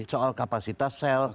soal kapasitas sel